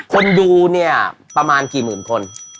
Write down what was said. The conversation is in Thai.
คนดูเนี่ยประมาณกี่หมื่นคน